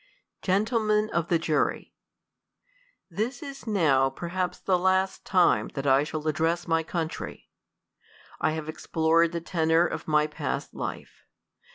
Gentlemen of the Jurv, THIS is now perhaps the last time that I shall ad dress my country. I have explored the tenor of my past life.